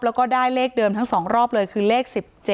แล้วก็ได้เลขเดิมทั้ง๒รอบเลยคือเลข๑๗